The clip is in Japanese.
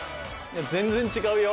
全然違うよ。